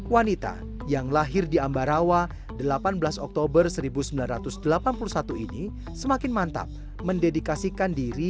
wanita yang lahir di ambarawa delapan belas oktober seribu sembilan ratus delapan puluh satu ini semakin mantap mendedikasikan diri